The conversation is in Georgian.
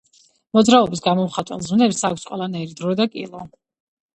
მოძრაობის გამომხატველ ზმნებს აქვთ ყველანაირი დრო და კილო.